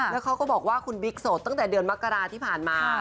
แล้วเขาก็บอกว่าคุณบิ๊กโสดตั้งแต่เดือนมกราที่ผ่านมา